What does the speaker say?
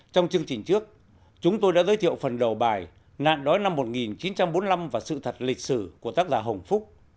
trong chương trình trước chúng tôi đã giới thiệu phần đầu bài nạn đói năm một nghìn chín trăm bốn mươi năm và sự thật lịch sử của tác giả hồng phúc